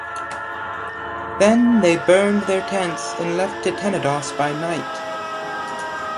Then they burned their tents and left to Tenedos by night.